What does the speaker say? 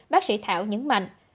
bác sĩ thảo nhấn mạnh